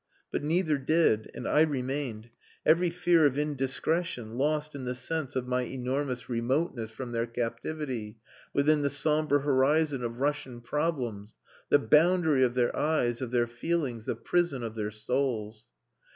But neither did; and I remained, every fear of indiscretion lost in the sense of my enormous remoteness from their captivity within the sombre horizon of Russian problems, the boundary of their eyes, of their feelings the prison of their souls.